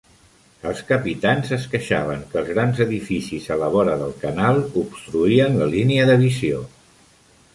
Els capitans es queixaven que els grans edificis a la vora del canal obstruïen la línia de visió.